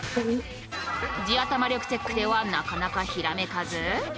地頭力チェックではなかなかひらめかず。